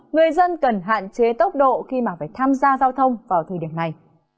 người dân cần hạn chế tốc độ khi mà phải tham gia giao thông vào thời điểm này